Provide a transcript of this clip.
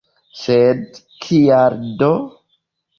Sed kial do?